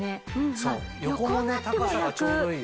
そう横も高さがちょうどいいよ。